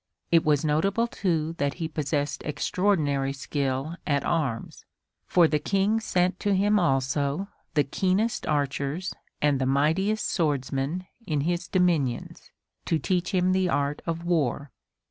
It was notable too that he possessed extraordinary skill at arms, for the King sent to him also the keenest archers and the mightiest swordsmen in his dominions, to teach him the art of war.